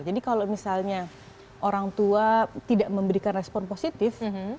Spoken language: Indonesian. jadi kalau misalnya orang tua tidak memberikan respon positif